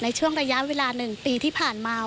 ในช่วงระยะเวลา๑ปีที่ผ่านมา